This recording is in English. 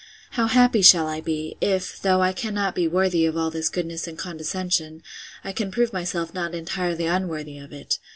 How happy shall I be, if, though I cannot be worthy of all this goodness and condescension, I can prove myself not entirely unworthy of it!